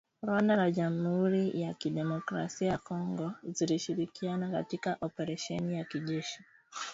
Rwanda na Jamhuri ya kidemokrasia ya Kongo zilishirikiana katika operesheni ya kijeshi